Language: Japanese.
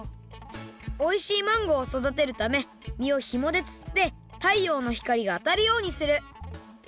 おいしいマンゴーをそだてるためみをひもでつってたいようのひかりがあたるようにする。